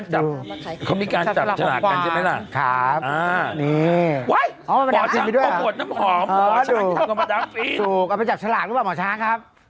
หรือโลเลค